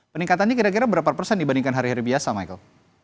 peningkatannya kira kira berapa persen dibandingkan hari hari biasa michael